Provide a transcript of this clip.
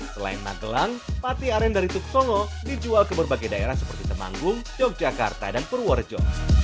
selain magelang pati aren dari tuk songo dijual ke berbagai daerah seperti temanggung yogyakarta dan purworejo